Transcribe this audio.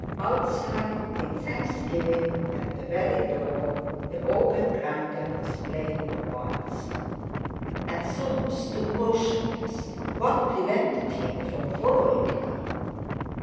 Outside—in thanksgiving—at the very door, the organ grinder was playing the waltz. And Soames stood motionless. What prevented him from following her?